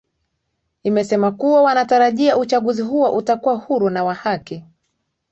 imesema kuwa wanatarajia uchaguzi huo utakuwa huru na wa haki